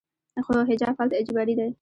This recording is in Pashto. خو حجاب هلته اجباري دی.